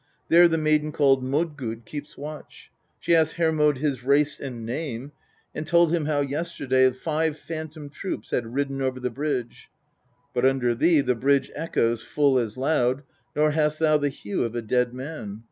There the maiden called Modgud keeps watch. She asked Hermod his race and name, and told him how yesterday tive phantom troops had ridden over the bridge, ' but under thee the bridge echoes full as loud, nor hast thou the hue of a dead man.